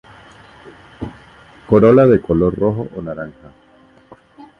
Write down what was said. Corola de color rojo o naranja.